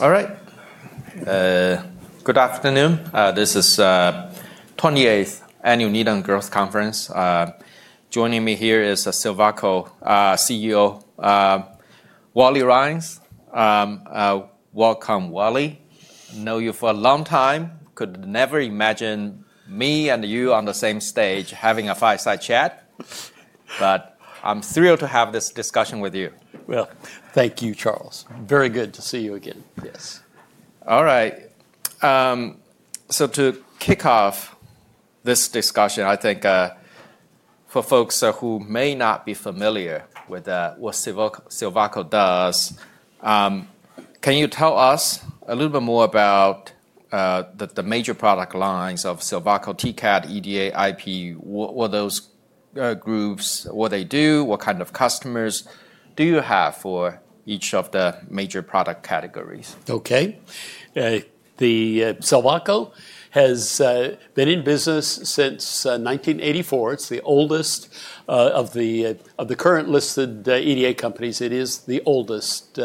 All right. Good afternoon. This is the 28th Annual Needham Growth Conference. Joining me here is Silvaco CEO Wally Rhines. Welcome, Wally. I've known you for a long time. Could never imagine me and you on the same stage having a fireside chat. But I'm thrilled to have this discussion with you. Thank you, Charles. Very good to see you again. Yes. All right. So to kick off this discussion, I think for folks who may not be familiar with what Silvaco does, can you tell us a little bit more about the major product lines of Silvaco, TCAD, EDA, IP? What are those groups? What do they do? What kind of customers do you have for each of the major product categories? OK. Silvaco has been in business since 1984. It's the oldest of the current listed EDA companies. It is the oldest,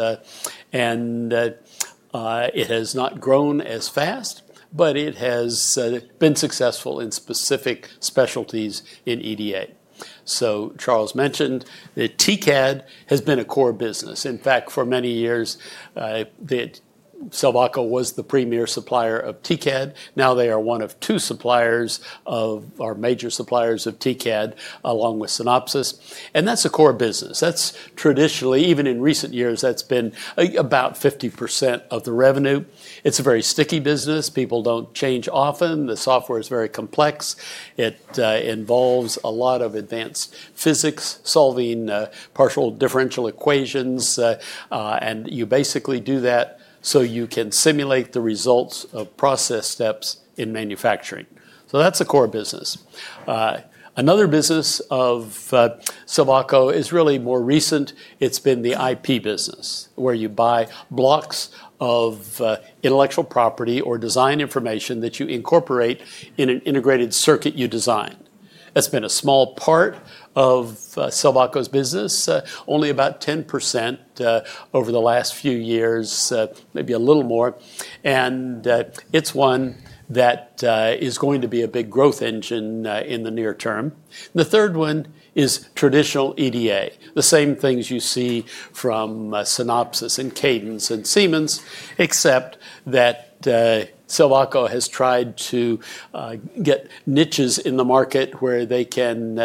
and it has not grown as fast, but it has been successful in specific specialties in EDA, so Charles mentioned that TCAD has been a core business. In fact, for many years, Silvaco was the premier supplier of TCAD. Now they are one of two major suppliers of TCAD, along with Synopsys, and that's a core business. That's traditionally, even in recent years, that's been about 50% of the revenue. It's a very sticky business. People don't change often. The software is very complex. It involves a lot of advanced physics, solving partial differential equations, and you basically do that so you can simulate the results of process steps in manufacturing, so that's a core business. Another business of Silvaco is really more recent. It's been the IP business, where you buy blocks of intellectual property or design information that you incorporate in an integrated circuit you design. That's been a small part of Silvaco's business, only about 10% over the last few years, maybe a little more, and it's one that is going to be a big growth engine in the near term. The third one is traditional EDA, the same things you see from Synopsys and Cadence and Siemens, except that Silvaco has tried to get niches in the market where they can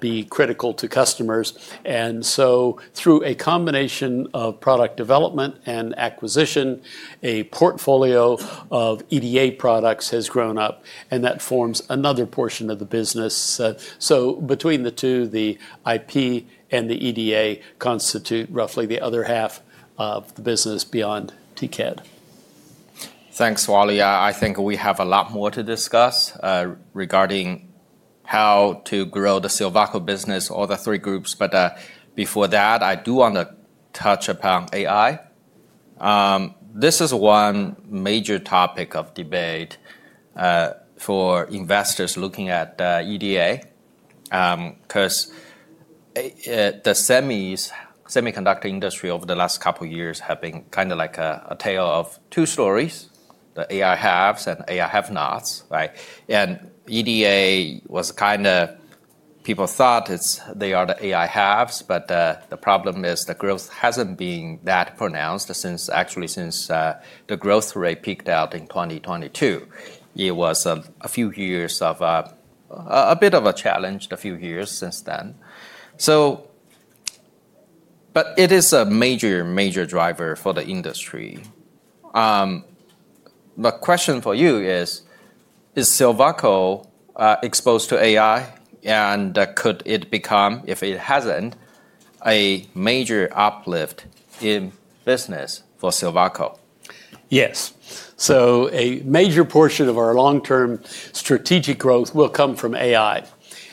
be critical to customers, and so through a combination of product development and acquisition, a portfolio of EDA products has grown up, and that forms another portion of the business, so between the two, the IP and the EDA constitute roughly the other half of the business beyond TCAD. Thanks, Wally. I think we have a lot more to discuss regarding how to grow the Silvaco business or the three groups. But before that, I do want to touch upon AI. This is one major topic of debate for investors looking at EDA because the semiconductor industry over the last couple of years has been kind of like a tale of two stories, the AI haves and AI have-nots. And EDA was kind of people thought they are the AI haves. But the problem is the growth hasn't been that pronounced since actually since the growth rate peaked out in 2022. It was a few years of a bit of a challenge, a few years since then. But it is a major, major driver for the industry. My question for you is, is Silvaco exposed to AI? Could it become, if it hasn't, a major uplift in business for Silvaco? Yes. So a major portion of our long-term strategic growth will come from AI.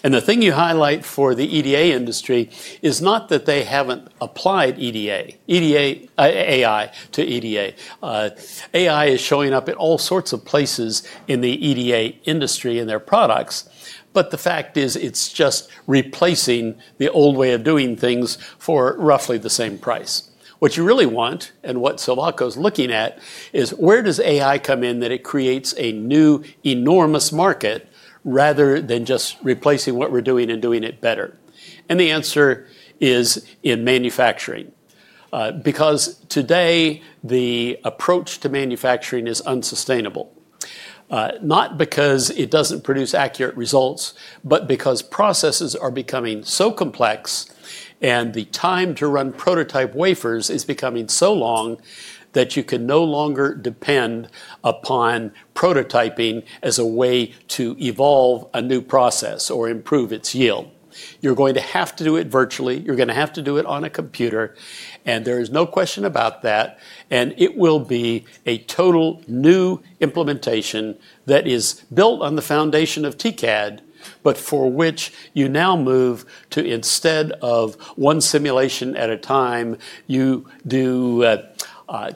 And the thing you highlight for the EDA industry is not that they haven't applied AI to EDA. AI is showing up at all sorts of places in the EDA industry and their products. But the fact is it's just replacing the old way of doing things for roughly the same price. What you really want and what Silvaco is looking at is where does AI come in that it creates a new enormous market rather than just replacing what we're doing and doing it better. And the answer is in manufacturing. Because today, the approach to manufacturing is unsustainable, not because it doesn't produce accurate results, but because processes are becoming so complex. The time to run prototype wafers is becoming so long that you can no longer depend upon prototyping as a way to evolve a new process or improve its yield. You're going to have to do it virtually. You're going to have to do it on a computer. And there is no question about that. And it will be a total new implementation that is built on the foundation of TCAD, but for which you now move to instead of one simulation at a time, you do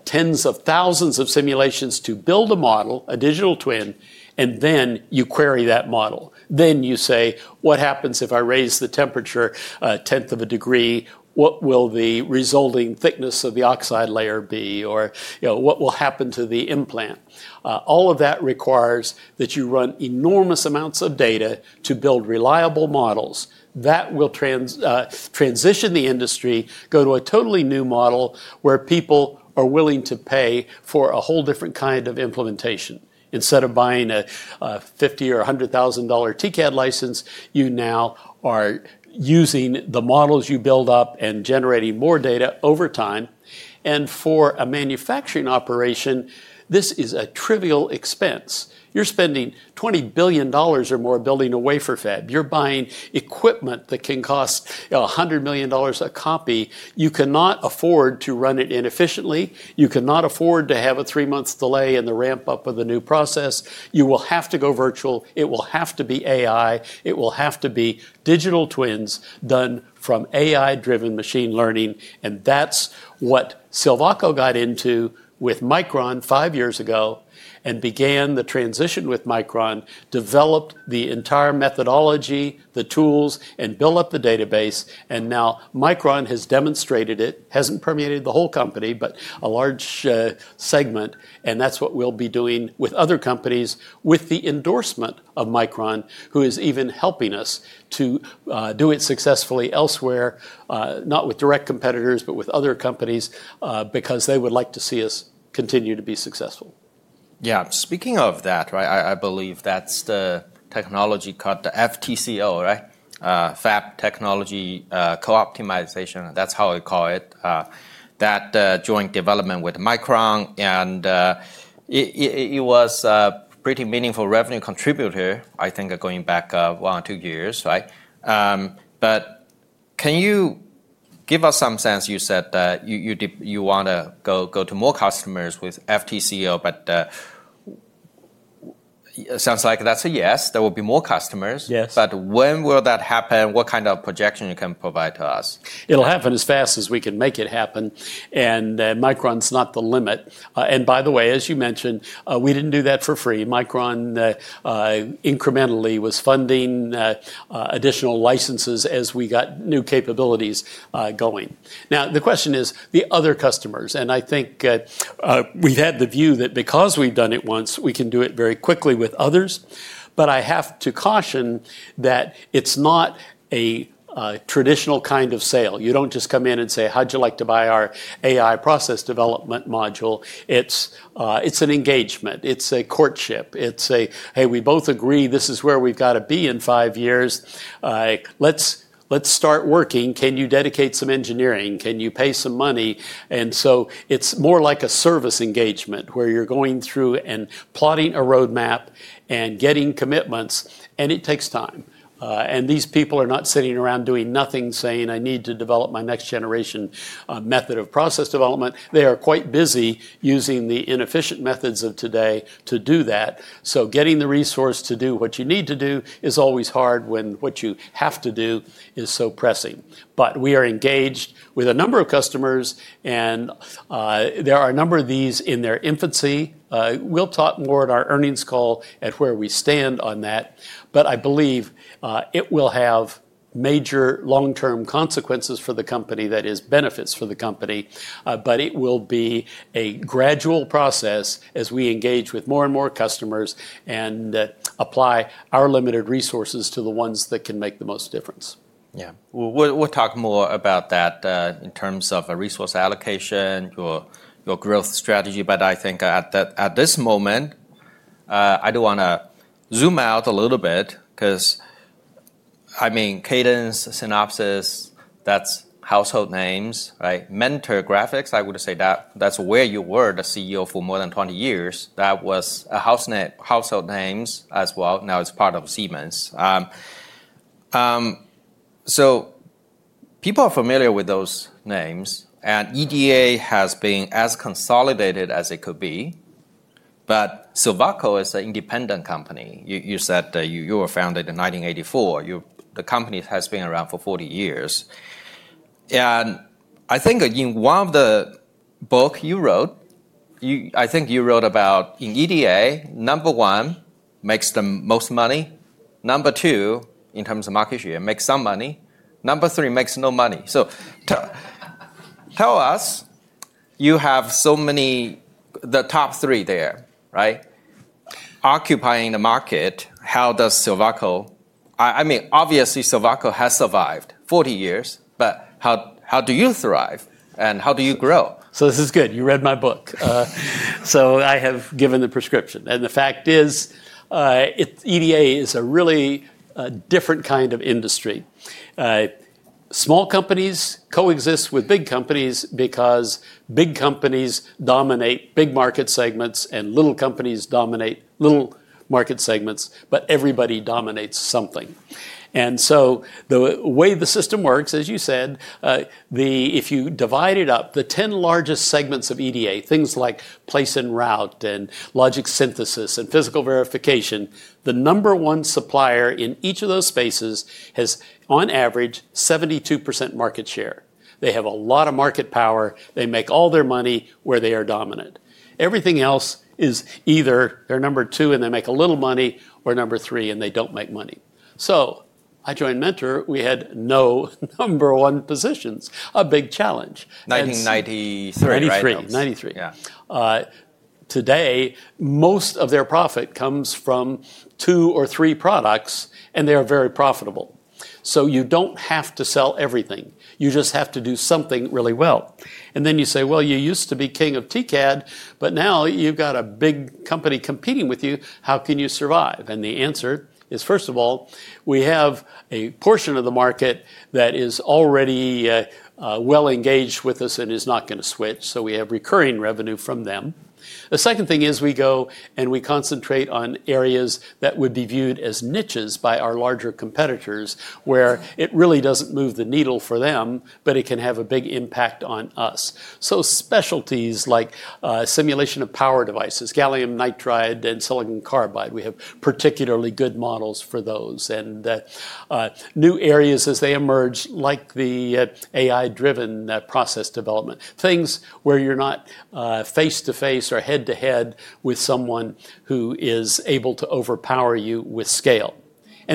tens of thousands of simulations to build a model, a digital twin, and then you query that model. Then you say, what happens if I raise the temperature a tenth of a degree? What will the resulting thickness of the oxide layer be? Or what will happen to the implant? All of that requires that you run enormous amounts of data to build reliable models that will transition the industry, go to a totally new model where people are willing to pay for a whole different kind of implementation. Instead of buying a $50,000 or $100,000 TCAD license, you now are using the models you build up and generating more data over time. And for a manufacturing operation, this is a trivial expense. You're spending $20 billion or more building a wafer fab. You're buying equipment that can cost $100 million a copy. You cannot afford to run it inefficiently. You cannot afford to have a three-month delay in the ramp-up of the new process. You will have to go virtual. It will have to be AI. It will have to be digital twins done from AI-driven machine learning. And that's what Silvaco got into with Micron five years ago and began the transition with Micron, developed the entire methodology, the tools, and built up the database. And now Micron has demonstrated it. It hasn't permeated the whole company, but a large segment. And that's what we'll be doing with other companies with the endorsement of Micron, who is even helping us to do it successfully elsewhere, not with direct competitors, but with other companies because they would like to see us continue to be successful. Yeah. Speaking of that, I believe that's the technology called the FTCO, Fab Technology Co-Optimization. That's how I call it, that joint development with Micron. And it was a pretty meaningful revenue contributor, I think, going back one or two years. But can you give us some sense? You said you want to go to more customers with FTCO. But it sounds like that's a yes. There will be more customers. But when will that happen? What kind of projection can you provide to us? It'll happen as fast as we can make it happen. And Micron's not the limit. And by the way, as you mentioned, we didn't do that for free. Micron incrementally was funding additional licenses as we got new capabilities going. Now, the question is the other customers. And I think we've had the view that because we've done it once, we can do it very quickly with others. But I have to caution that it's not a traditional kind of sale. You don't just come in and say, how'd you like to buy our AI process development module? It's an engagement. It's a courtship. It's a, hey, we both agree this is where we've got to be in five years. Let's start working. Can you dedicate some engineering? Can you pay some money? And so it's more like a service engagement where you're going through and plotting a roadmap and getting commitments. And it takes time. And these people are not sitting around doing nothing saying, "I need to develop my next generation method of process development." They are quite busy using the inefficient methods of today to do that. So getting the resource to do what you need to do is always hard when what you have to do is so pressing. But we are engaged with a number of customers. And there are a number of these in their infancy. We'll talk more in our earnings call about where we stand on that. But I believe it will have major long-term consequences for the company, that is, benefits for the company. But it will be a gradual process as we engage with more and more customers and apply our limited resources to the ones that can make the most difference. Yeah. We'll talk more about that in terms of resource allocation, your growth strategy. But I think at this moment, I do want to zoom out a little bit because, I mean, Cadence, Synopsys, that's household names. Mentor Graphics, I would say that's where you were the CEO for more than 20 years. That was household names as well. Now it's part of Siemens. So people are familiar with those names. And EDA has been as consolidated as it could be. But Silvaco is an independent company. You said you were founded in 1984. The company has been around for 40 years. And I think in one of the books you wrote, I think you wrote about in EDA, number one makes the most money. Number two, in terms of market share, makes some money. Number three makes no money. So, tell us, you have so many, the top three there, occupying the market. How does Silvaco? I mean, obviously, Silvaco has survived 40 years. But how do you thrive? And how do you grow? This is good. You read my book. I have given the prescription. And the fact is, EDA is a really different kind of industry. Small companies coexist with big companies because big companies dominate big market segments and little companies dominate little market segments. Everybody dominates something. The way the system works, as you said, if you divide it up, the 10 largest segments of EDA, things like place and route and logic synthesis and physical verification, the number one supplier in each of those spaces has, on average, 72% market share. They have a lot of market power. They make all their money where they are dominant. Everything else is either they're number two and they make a little money or number three and they don't make money. I joined Mentor. We had no number one positions. A big challenge. 1993. Yeah. Today, most of their profit comes from two or three products. And they are very profitable. So you don't have to sell everything. You just have to do something really well. And then you say, well, you used to be king of TCAD. But now you've got a big company competing with you. How can you survive? And the answer is, first of all, we have a portion of the market that is already well engaged with us and is not going to switch. So we have recurring revenue from them. The second thing is we go and we concentrate on areas that would be viewed as niches by our larger competitors where it really doesn't move the needle for them, but it can have a big impact on us. Specialties like simulation of power devices, gallium nitride and silicon carbide, we have particularly good models for those. New areas as they emerge, like the AI-driven process development, things where you're not face to face or head to head with someone who is able to overpower you with scale.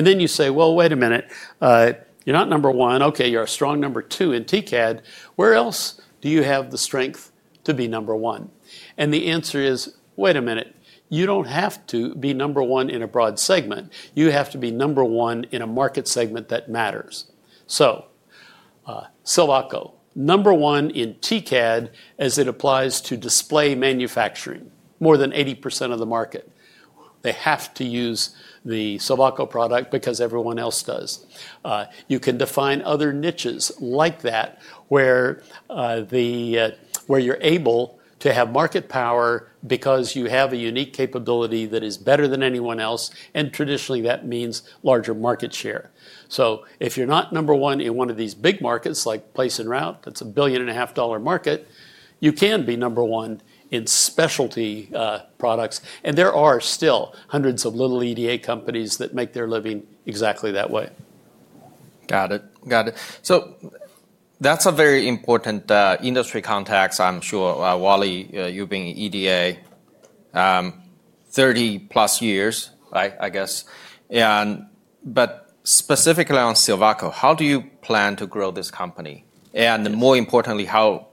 Then you say, well, wait a minute. You're not number one. OK, you're a strong number two in TCAD. Where else do you have the strength to be number one? The answer is, wait a minute. You don't have to be number one in a broad segment. You have to be number one in a market segment that matters. Silvaco, number one in TCAD as it applies to display manufacturing, more than 80% of the market. They have to use the Silvaco product because everyone else does. You can define other niches like that where you're able to have market power because you have a unique capability that is better than anyone else. And traditionally, that means larger market share. So if you're not number one in one of these big markets like place and route, that's a $1.5 billion market, you can be number one in specialty products. And there are still hundreds of little EDA companies that make their living exactly that way. Got it. Got it. So that's a very important industry context, I'm sure. Wally, you've been in EDA 30 plus years, I guess. But specifically on Silvaco, how do you plan to grow this company? And more importantly, how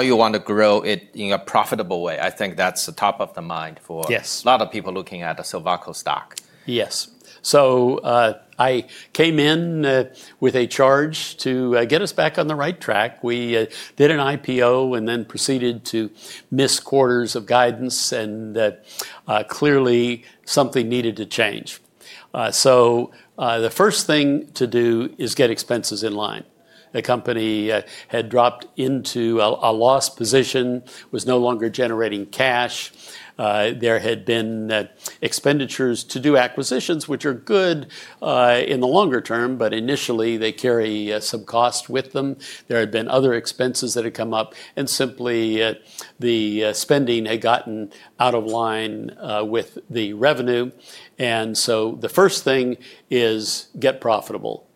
you want to grow it in a profitable way? I think that's top of the mind for a lot of people looking at a Silvaco stock. Yes. So I came in with a charge to get us back on the right track. We did an IPO and then proceeded to miss quarters of guidance. And clearly, something needed to change. So the first thing to do is get expenses in line. The company had dropped into a loss position, was no longer generating cash. There had been expenditures to do acquisitions, which are good in the longer term. But initially, they carry some cost with them. There had been other expenses that had come up. And simply, the spending had gotten out of line with the revenue. And so the first thing is get profitable,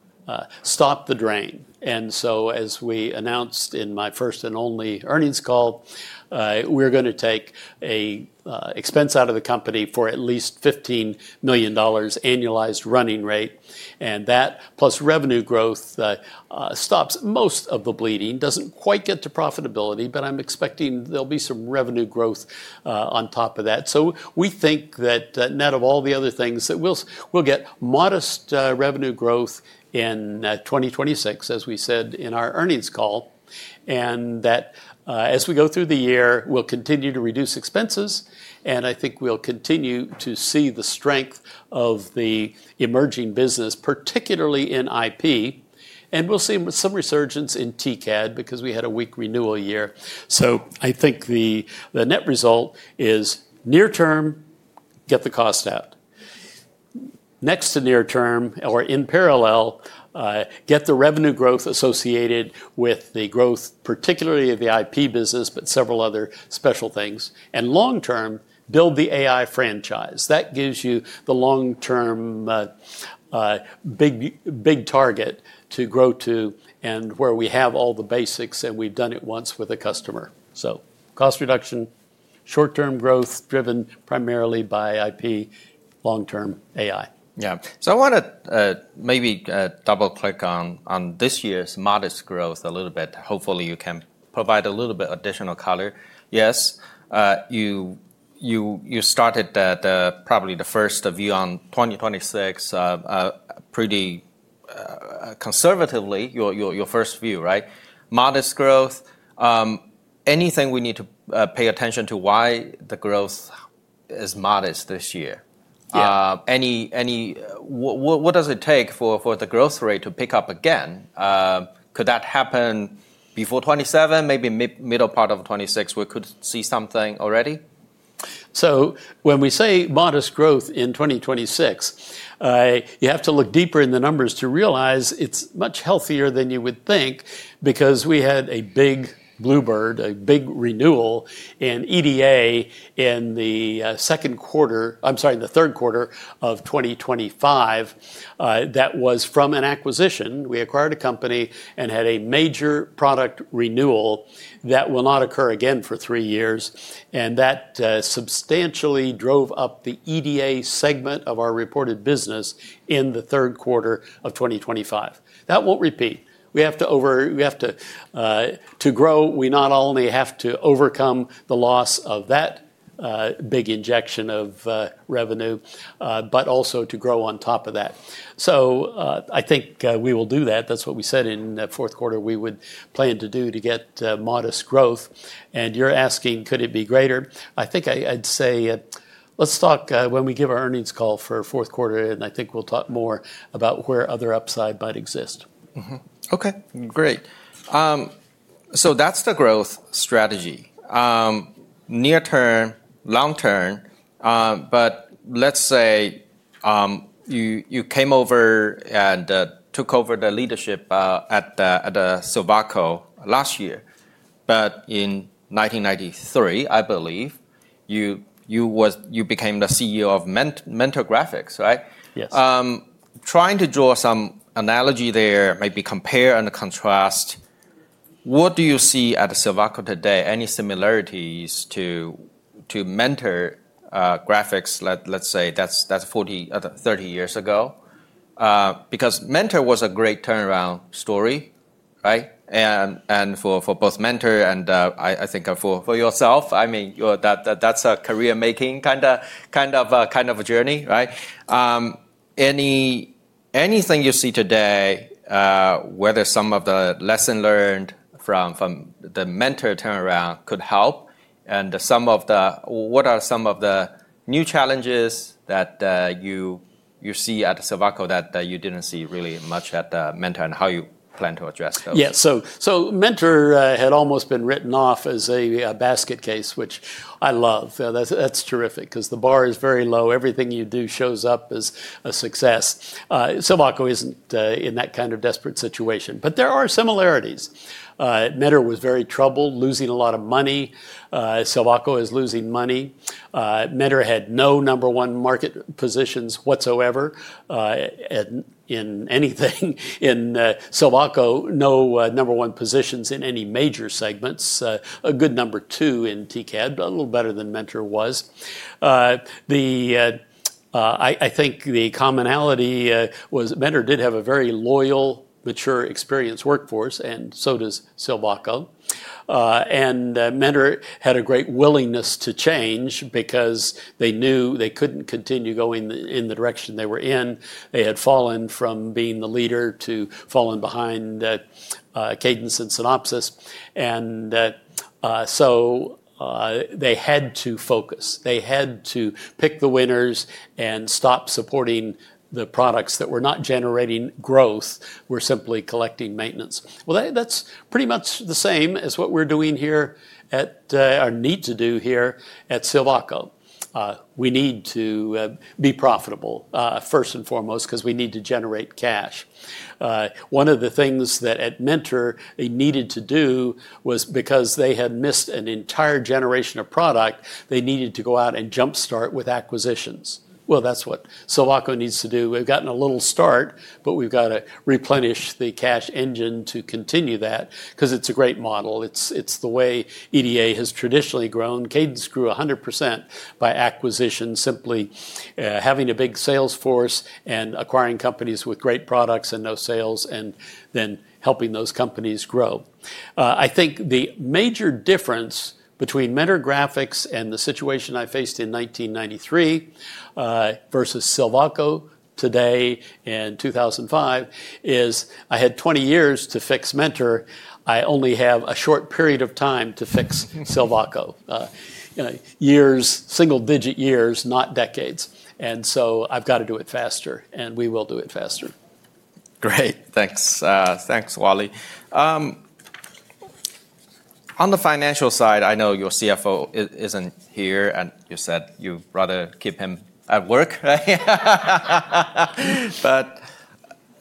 stop the drain. And so as we announced in my first and only earnings call, we're going to take an expense out of the company for at least $15 million annualized running rate. And that plus revenue growth stops most of the bleeding. It doesn't quite get to profitability. But I'm expecting there'll be some revenue growth on top of that. So we think that net of all the other things, that we'll get modest revenue growth in 2026, as we said in our earnings call. And that as we go through the year, we'll continue to reduce expenses. And I think we'll continue to see the strength of the emerging business, particularly in IP. And we'll see some resurgence in TCAD because we had a weak renewal year. So I think the net result is near term, get the cost out. Next to near term or in parallel, get the revenue growth associated with the growth, particularly of the IP business, but several other special things. And long term, build the AI franchise. That gives you the long-term big target to grow to and where we have all the basics, and we've done it once with a customer, so cost reduction, short-term growth driven primarily by IP, long-term AI. Yeah. So I want to maybe double-click on this year's modest growth a little bit. Hopefully, you can provide a little bit of additional color. Yes. You started probably the first view on 2026 pretty conservatively, your first view, right? Modest growth. Anything we need to pay attention to why the growth is modest this year? What does it take for the growth rate to pick up again? Could that happen before 2027, maybe middle part of 2026? We could see something already. So when we say modest growth in 2026, you have to look deeper in the numbers to realize it's much healthier than you would think because we had a big bluebird, a big renewal in EDA in the second quarter. I'm sorry, in the third quarter of 2025. That was from an acquisition. We acquired a company and had a major product renewal that will not occur again for three years. And that substantially drove up the EDA segment of our reported business in the third quarter of 2025. That won't repeat. We have to grow. We not only have to overcome the loss of that big injection of revenue, but also to grow on top of that. So I think we will do that. That's what we said in the fourth quarter we would plan to do to get modest growth. And you're asking, could it be greater? I think I'd say let's talk when we give our earnings call for fourth quarter, and I think we'll talk more about where other upside might exist. OK, great. So that's the growth strategy. Near term, long term. But let's say you came over and took over the leadership at Silvaco last year. But in 1993, I believe, you became the CEO of Mentor Graphics, right? Yes. Trying to draw some analogy there, maybe compare and contrast, what do you see at Silvaco today? Any similarities to Mentor Graphics, let's say that's 30 years ago? Because Mentor was a great turnaround story, right? And for both Mentor and I think for yourself, I mean, that's a career-making kind of journey, right? Anything you see today, whether some of the lessons learned from the Mentor turnaround could help? And what are some of the new challenges that you see at Silvaco that you didn't see really much at Mentor and how you plan to address those? Yeah. So Mentor had almost been written off as a basket case, which I love. That's terrific because the bar is very low. Everything you do shows up as a success. Silvaco isn't in that kind of desperate situation. But there are similarities. Mentor was very troubled, losing a lot of money. Silvaco is losing money. Mentor had no number one market positions whatsoever in anything. In Silvaco, no number one positions in any major segments. A good number two in TCAD, but a little better than Mentor was. I think the commonality was Mentor did have a very loyal, mature, experienced workforce. And so does Silvaco. And Mentor had a great willingness to change because they knew they couldn't continue going in the direction they were in. They had fallen from being the leader to fallen behind Cadence and Synopsys. And so they had to focus. They had to pick the winners and stop supporting the products that were not generating growth, were simply collecting maintenance. Well, that's pretty much the same as what we need to do here at Silvaco. We need to be profitable, first and foremost, because we need to generate cash. One of the things that at Mentor they needed to do was because they had missed an entire generation of product, they needed to go out and jumpstart with acquisitions. Well, that's what Silvaco needs to do. We've gotten a little start. But we've got to replenish the cash engine to continue that because it's a great model. It's the way EDA has traditionally grown. Cadence grew 100% by acquisition, simply having a big sales force and acquiring companies with great products and no sales and then helping those companies grow. I think the major difference between Mentor Graphics and the situation I faced in 1993 versus Silvaco today in 2005 is I had 20 years to fix Mentor. I only have a short period of time to fix Silvaco. Single-digit years, not decades, and so I've got to do it faster, and we will do it faster. Great. Thanks, Wally. On the financial side, I know your CFO isn't here. And you said you'd rather keep him at work. But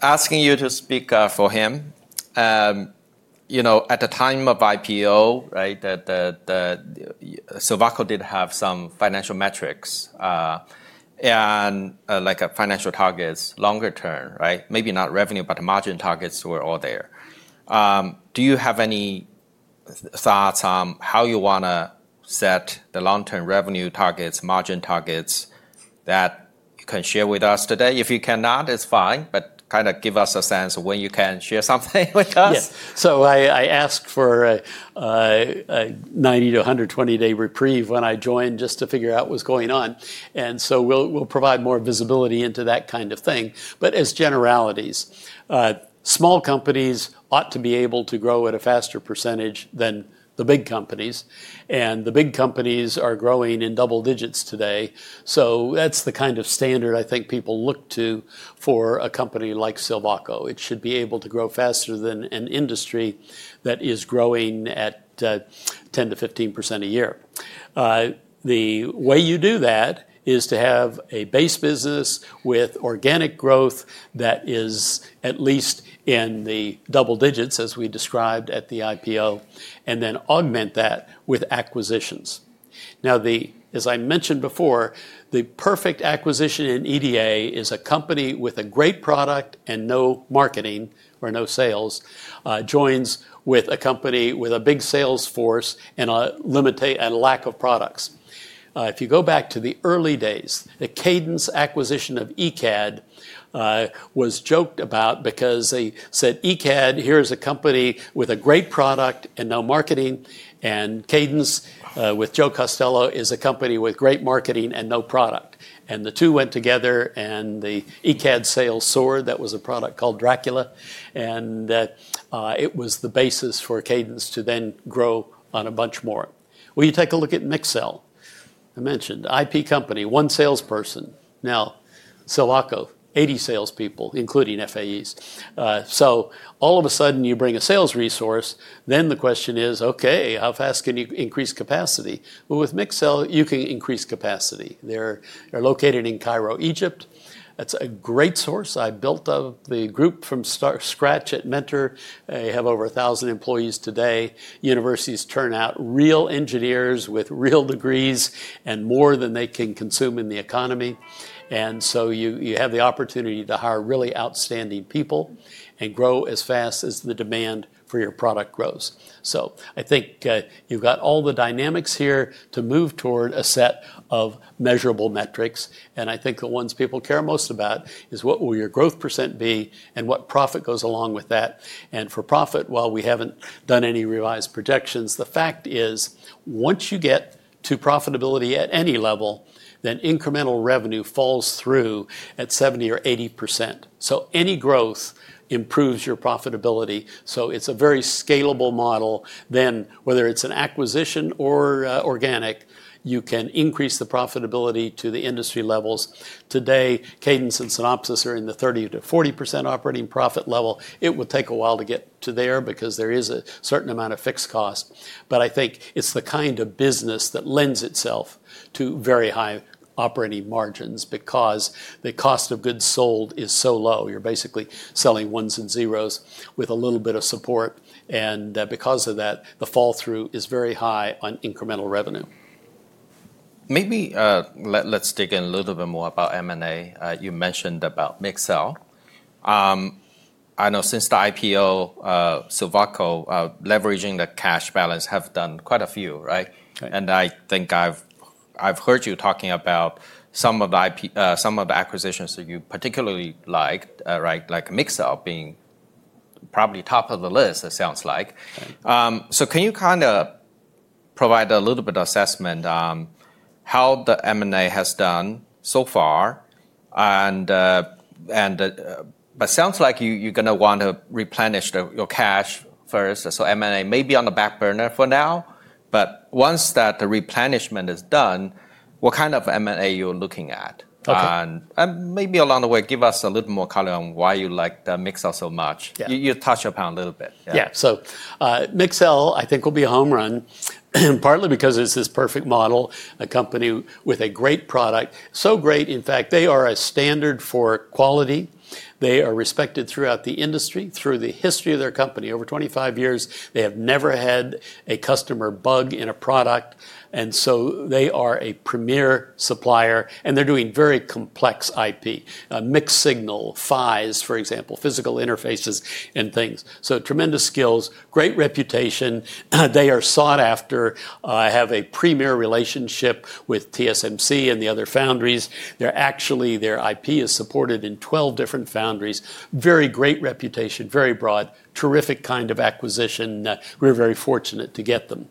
asking you to speak for him, at the time of IPO, Silvaco did have some financial metrics and financial targets longer term, maybe not revenue, but margin targets were all there. Do you have any thoughts on how you want to set the long-term revenue targets, margin targets that you can share with us today? If you cannot, it's fine. But kind of give us a sense of when you can share something with us. Yes, so I asked for a 90-120-day reprieve when I joined just to figure out what was going on, and so we'll provide more visibility into that kind of thing. But as generalities, small companies ought to be able to grow at a faster percentage than the big companies, and the big companies are growing in double digits today, so that's the kind of standard I think people look to for a company like Silvaco. It should be able to grow faster than an industry that is growing at 10%-15% a year. The way you do that is to have a base business with organic growth that is at least in the double digits, as we described at the IPO, and then augment that with acquisitions. Now, as I mentioned before, the perfect acquisition in EDA is a company with a great product and no marketing or no sales joins with a company with a big sales force and a lack of products. If you go back to the early days, the Cadence acquisition of ECAD was joked about because they said, "ECAD, here is a company with a great product and no marketing. And Cadence with Joe Costello is a company with great marketing and no product." And the two went together. And the ECAD sales soared. That was a product called Dracula. And it was the basis for Cadence to then grow on a bunch more. Well, you take a look at Mixel. I mentioned IP company, one salesperson. Now, Silvaco, 80 salespeople, including FAEs. So all of a sudden, you bring a sales resource. Then the question is, OK, how fast can you increase capacity? Well, with Mixel, you can increase capacity. They're located in Cairo, Egypt. That's a great source. I built the group from scratch at Mentor. They have over 1,000 employees today. Universities turn out real engineers with real degrees and more than they can consume in the economy. And so you have the opportunity to hire really outstanding people and grow as fast as the demand for your product grows. So I think you've got all the dynamics here to move toward a set of measurable metrics. And I think the ones people care most about is, what will your growth percent be and what profit goes along with that? And for profit, while we haven't done any revised projections, the fact is once you get to profitability at any level, then incremental revenue falls through at 70% or 80%. So any growth improves your profitability. So it's a very scalable model. Then whether it's an acquisition or organic, you can increase the profitability to the industry levels. Today, Cadence and Synopsys are in the 30%-40% operating profit level. It will take a while to get to there because there is a certain amount of fixed cost. But I think it's the kind of business that lends itself to very high operating margins because the cost of goods sold is so low. You're basically selling ones and zeros with a little bit of support. And because of that, the flow-through is very high on incremental revenue. Maybe let's dig in a little bit more about M&A. You mentioned about Mixel. I know since the IPO, Silvaco leveraging the cash balance have done quite a few, right, and I think I've heard you talking about some of the acquisitions that you particularly liked, like Mixel being probably top of the list, it sounds like. So can you kind of provide a little bit of assessment on how the M&A has done so far, but it sounds like you're going to want to replenish your cash first, so M&A may be on the back burner for now, but once that replenishment is done, what kind of M&A are you looking at? And maybe along the way, give us a little more color on why you like Mixel so much. You touched upon a little bit. Yeah. So Mixel, I think, will be a home run, partly because it's this perfect model, a company with a great product. So great, in fact, they are a standard for quality. They are respected throughout the industry, through the history of their company. Over 25 years, they have never had a customer bug in a product. And so they are a premier supplier. And they're doing very complex IP, mixed signal, PHYs, for example, physical interfaces and things. So tremendous skills, great reputation. They are sought after. I have a premier relationship with TSMC and the other foundries. Actually, their IP is supported in 12 different foundries. Very great reputation, very broad, terrific kind of acquisition. We're very fortunate to get them.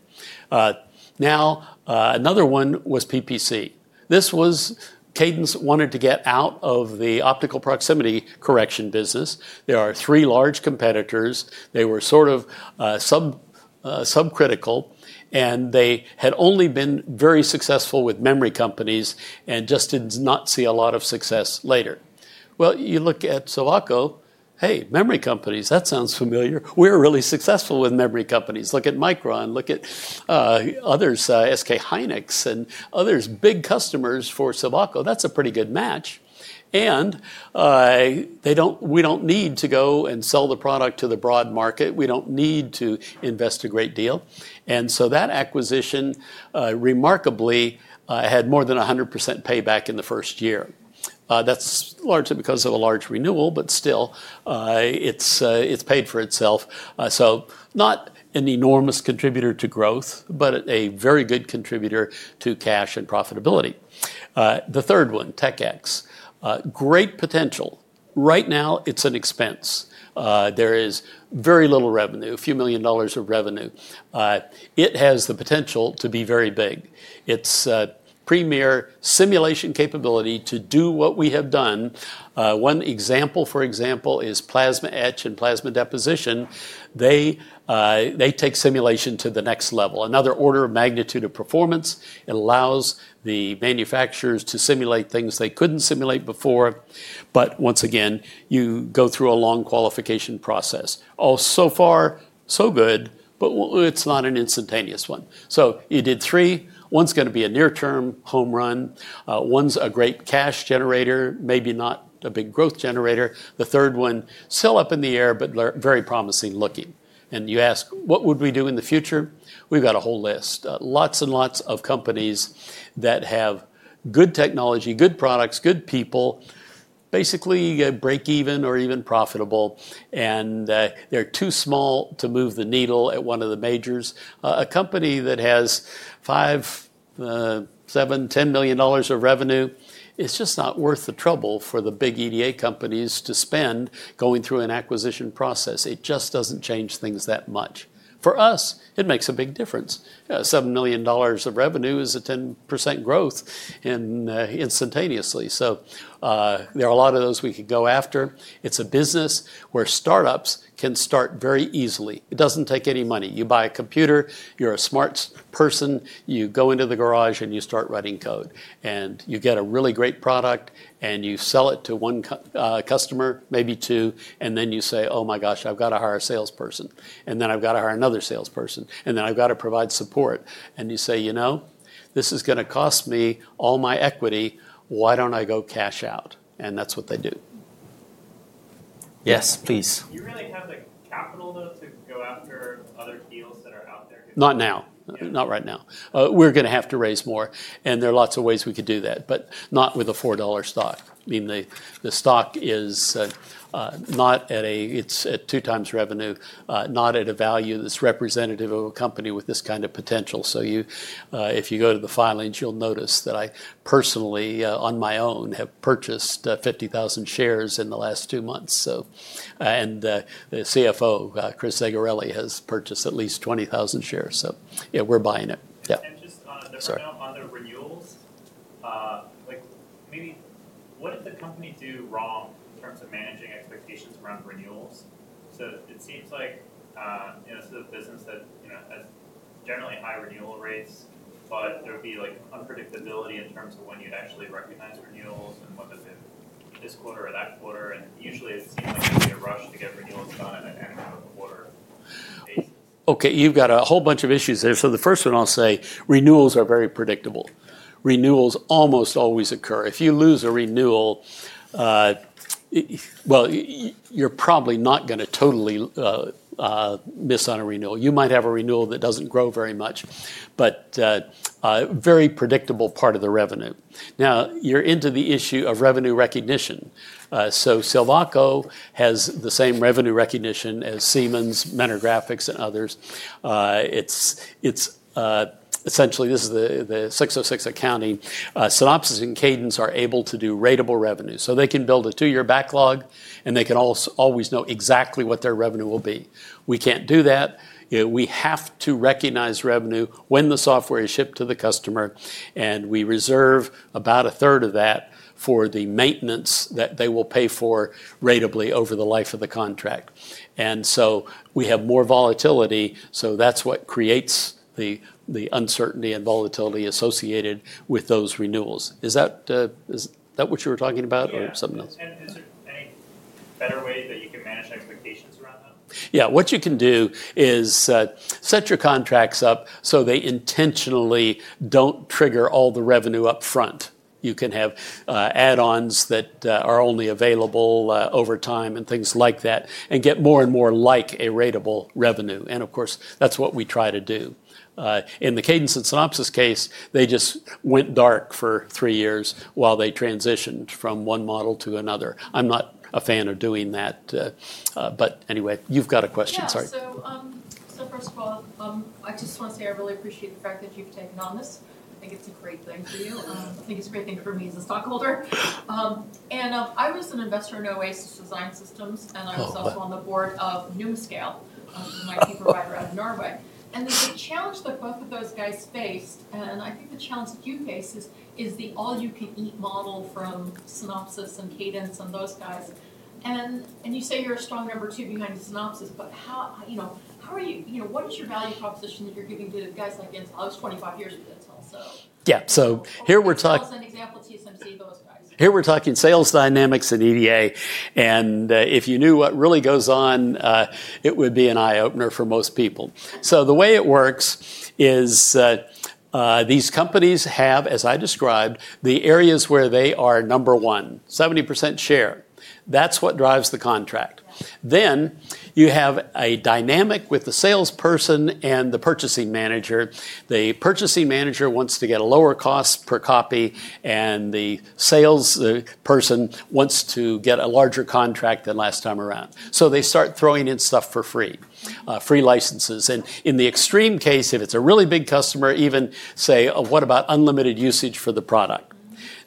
Now, another one was OPC. This was Cadence wanted to get out of the optical proximity correction business. There are three large competitors. They were sort of subcritical, and they had only been very successful with memory companies and just did not see a lot of success later, well, you look at Silvaco. Hey, memory companies, that sounds familiar. We're really successful with memory companies. Look at Micron. Look at others, SK Hynix and others, big customers for Silvaco. That's a pretty good match, and we don't need to go and sell the product to the broad market. We don't need to invest a great deal, and so that acquisition remarkably had more than 100% payback in the first year. That's largely because of a large renewal, but still, it's paid for itself, so not an enormous contributor to growth, but a very good contributor to cash and profitability. The third one, Tech-X, great potential. Right now, it's an expense. There is very little revenue, a few million dollars of revenue. It has the potential to be very big. It's premier simulation capability to do what we have done. One example, for example, is Plasma Etch and Plasma Deposition. They take simulation to the next level, another order of magnitude of performance. It allows the manufacturers to simulate things they couldn't simulate before. But once again, you go through a long qualification process. So far, so good. But it's not an instantaneous one. So you did three. One's going to be a near-term home run. One's a great cash generator, maybe not a big growth generator. The third one, still up in the air, but very promising looking, and you ask, what would we do in the future? We've got a whole list, lots and lots of companies that have good technology, good products, good people, basically break even or even profitable. They're too small to move the needle at one of the majors. A company that has $5 million, $7 million, $10 million of revenue is just not worth the trouble for the big EDA companies to spend going through an acquisition process. It just doesn't change things that much. For us, it makes a big difference. $7 million of revenue is a 10% growth instantaneously. So there are a lot of those we could go after. It's a business where startups can start very easily. It doesn't take any money. You buy a computer. You're a smart person. You go into the garage and you start writing code. And you get a really great product. And you sell it to one customer, maybe two. And then you say, oh my gosh, I've got to hire a salesperson. And then I've got to hire another salesperson. Then I've got to provide support. You say, you know, this is going to cost me all my equity. Why don't I go cash out? That's what they do. Yes, please. Do you really have the capital, though, to go after other deals that are out there? Not now. Not right now. We're going to have to raise more, and there are lots of ways we could do that, but not with a $4 stock. I mean, the stock is not at a, it's at two times revenue, not at a value that's representative of a company with this kind of potential, so if you go to the filings, you'll notice that I personally, on my own, have purchased 50,000 shares in the last two months, and the CFO, Chris Cereghetti, has purchased at least 20,000 shares, so yeah, we're buying it. And just on the renewals, maybe what did the company do wrong in terms of managing expectations around renewals? So it seems like this is a business that has generally high renewal rates. But there would be unpredictability in terms of when you'd actually recognize renewals and whether they're this quarter or that quarter. And usually, it seems like there'd be a rush to get renewals done at the end of the quarter. OK, you've got a whole bunch of issues there. The first one I'll say, renewals are very predictable. Renewals almost always occur. If you lose a renewal, well, you're probably not going to totally miss on a renewal. You might have a renewal that doesn't grow very much, but a very predictable part of the revenue. Now, you're into the issue of revenue recognition. Silvaco has the same revenue recognition as Siemens, Mentor Graphics, and others. Essentially, this is the 606 accounting. Synopsys and Cadence are able to do ratable revenue. They can build a two-year backlog. They can always know exactly what their revenue will be. We can't do that. We have to recognize revenue when the software is shipped to the customer. We reserve about a third of that for the maintenance that they will pay for ratably over the life of the contract. And so we have more volatility. So that's what creates the uncertainty and volatility associated with those renewals. Is that what you were talking about or something else? Is there any better way that you can manage expectations around that? Yeah, what you can do is set your contracts up so they intentionally don't trigger all the revenue up front. You can have add-ons that are only available over time and things like that, and get more and more like a ratable revenue. And of course, that's what we try to do. In the Cadence and Synopsys case, they just went dark for three years while they transitioned from one model to another. I'm not a fan of doing that. But anyway, you've got a question, sorry. Yeah, so first of all, I just want to say I really appreciate the fact that you've taken on this. I think it's a great thing for you. I think it's a great thing for me as a stockholder. And I was an investor in Oasis Design Systems. And I was also on the board of Numascale, an IT provider out of Norway. And the challenge that both of those guys faced, and I think the challenge that you faced, is the all-you-can-eat model from Synopsys and Cadence and those guys. And you say you're a strong number two behind Synopsys. But how are you? What is your value proposition that you're giving to guys like Intel? It's 25 years with Intel, so. Yeah, so here we're talking. That was an example of TSMC, those guys. Here we're talking sales dynamics and EDA. And if you knew what really goes on, it would be an eye-opener for most people. So the way it works is these companies have, as I described, the areas where they are number one, 70% share. That's what drives the contract. Then you have a dynamic with the salesperson and the purchasing manager. The purchasing manager wants to get a lower cost per copy. And the salesperson wants to get a larger contract than last time around. So they start throwing in stuff for free, free licenses. And in the extreme case, if it's a really big customer, even, say, what about unlimited usage for the product?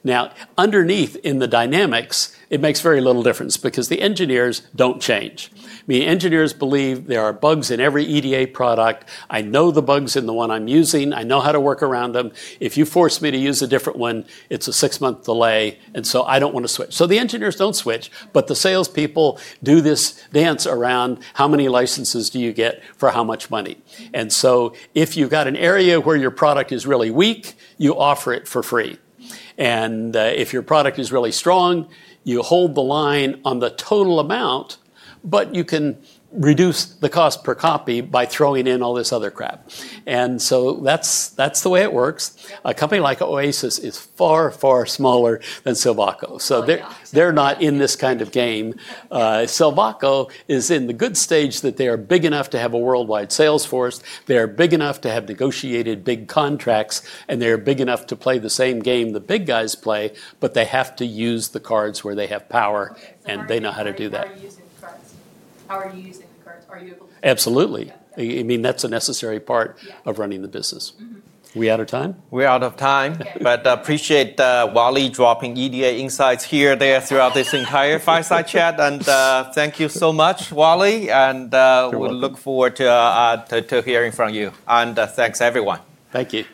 Now, underneath in the dynamics, it makes very little difference because the engineers don't change. I mean, engineers believe there are bugs in every EDA product. I know the bugs in the one I'm using. I know how to work around them. If you force me to use a different one, it's a six-month delay, and so I don't want to switch, so the engineers don't switch. But the salespeople do this dance around how many licenses do you get for how much money, and so if you've got an area where your product is really weak, you offer it for free, and if your product is really strong, you hold the line on the total amount, but you can reduce the cost per copy by throwing in all this other crap, and so that's the way it works. A company like Oasis is far, far smaller than Silvaco, so they're not in this kind of game. Silvaco is in the good stage that they are big enough to have a worldwide sales force. They are big enough to have negotiated big contracts. And they are big enough to play the same game the big guys play. But they have to use the cards where they have power. And they know how to do that. How are you using the cards? How are you using the cards? Are you able to? Absolutely. I mean, that's a necessary part of running the business. We out of time? We're out of time. But appreciate Wally dropping EDA insights here, there, throughout this entire Fireside Chat. And thank you so much, Wally. And we look forward to hearing from you. And thanks, everyone. Thank you.